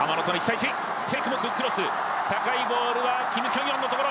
高いボールはキム・キョンヨンのところ。